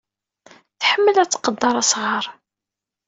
Tḥemmel ad tqedder asɣar.